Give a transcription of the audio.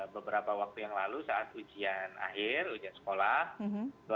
beberapa waktu yang lalu saat ujian akhir ujian sekolah